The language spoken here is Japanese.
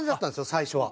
最初は。